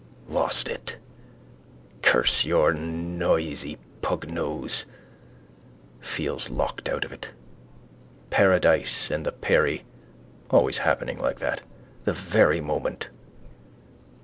Lost it. Curse your noisy pugnose. Feels locked out of it. Paradise and the peri. Always happening like that. The very moment.